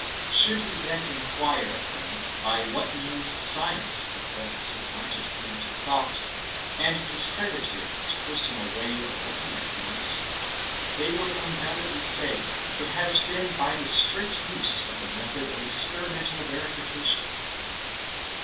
Should you then inquire of them by what means science has thus supplanted primitive thought, and discredited its personal way of looking at things, they would undoubtedly say it has been by the strict use of the method of experimental verification.